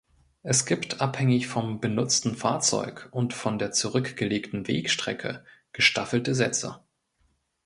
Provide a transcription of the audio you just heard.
Es gibt abhängig vom benutzten Fahrzeug und von der zurückgelegten Wegstrecke gestaffelte Sätze.